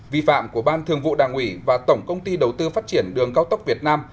vi phạm của ban thường vụ đảng ủy và tổng công ty đầu tư phát triển đường cao tốc việt nam